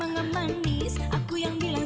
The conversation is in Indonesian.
oke tep makasih tep